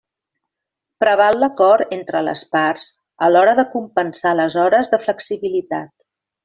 Preval l'acord entre les parts a l'hora de compensar les hores de flexibilitat.